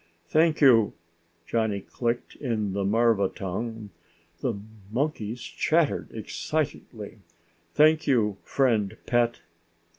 "Thank you," Johnny clicked in the marva tongue. The monkeys chattered excitedly. "Thank you, friend pet."